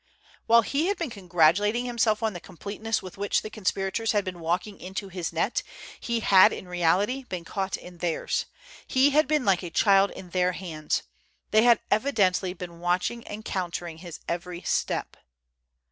While he had been congratulating himself on the completeness with which the conspirators had been walking into his net, he had in reality been caught in theirs. He had been like a child in their hands. They had evidently been watching and countering his every step.